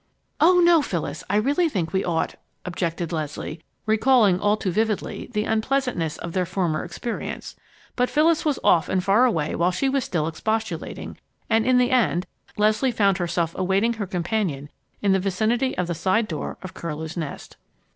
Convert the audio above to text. "Oh, no, Phyllis! I really don't think we ought " objected Leslie, recalling all too vividly the unpleasantness of their former experience. But Phyllis was off and far away while she was still expostulating, and in the end, Leslie found herself awaiting her companion in the vicinity of the side door of Curlew's Nest.